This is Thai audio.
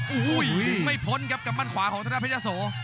โอ้โห้ยไม่พ้นครับกับบ้านขวาของเทศพเจ้าโส